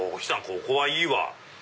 ここはいいわ！